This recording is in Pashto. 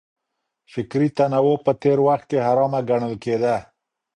فکري تنوع په تېر وخت کي حرامه ګڼل کېده.